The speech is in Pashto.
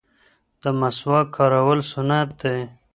د مسواک کارول سنت دی